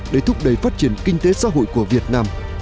để thúc đẩy phát triển kinh tế xã hội của việt nam